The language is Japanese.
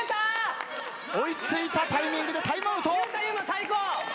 追い付いたタイミングでタイムアウト。